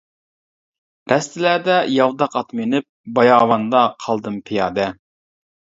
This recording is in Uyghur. رەستىلەردە ياۋىداق ئات مىنىپ، باياۋاندا قالدىم پىيادە.